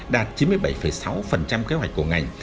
đạt chín mươi bảy sáu kế hoạch của ngành